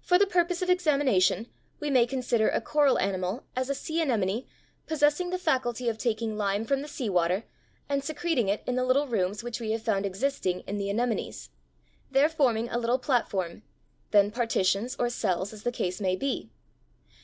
For the purpose of examination we may consider a coral animal as a sea anemone possessing the faculty of taking lime from the sea water and secreting it in the little rooms which we have found existing in the anemones (Fig. 32), there forming a little platform, then partitions or cells, as the case may be.